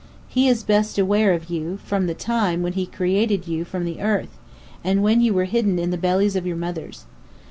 He is Best Aware of you (from the time) when He created you from the earth, and when ye were hidden in the bellies of your mothers.